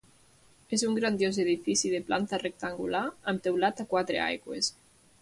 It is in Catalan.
És un grandiós edifici de planta rectangular amb teulat a quatre aigües.